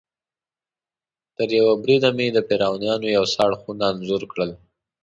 تریوه بریده مې د فرعونیانو یو څه اړخونه انځور کړل.